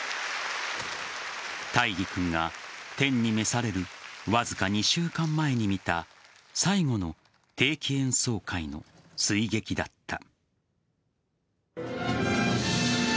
大義君が天に召されるわずか２週間前に見た最後の定期演奏会の吹劇だった。